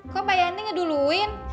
kok pak yanti ngeduluin